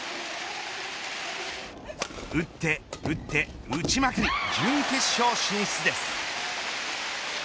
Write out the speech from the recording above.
打って打って打ちまくり、準決勝進出です。